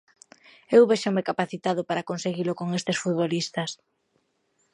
Eu véxome capacitado para conseguilo con estes futbolistas.